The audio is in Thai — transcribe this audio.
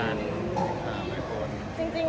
จริงนะคะว่าก็เป้นอย่างไรค่ะ